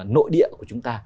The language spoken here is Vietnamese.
nội địa của chúng ta